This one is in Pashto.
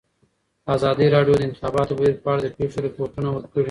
ازادي راډیو د د انتخاباتو بهیر په اړه د پېښو رپوټونه ورکړي.